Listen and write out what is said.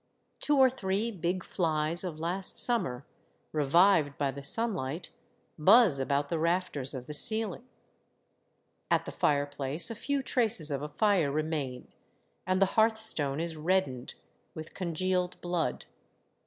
Two or three big flies of last summer, revived by the sunlight, buzz about the rafters of the ceiling. At the fireplace, a few traces of a fire remain, and the hearthstone is reddened with con gealed blood.